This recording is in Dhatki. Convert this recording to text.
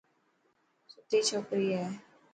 سٺوي ڇوڪري هي.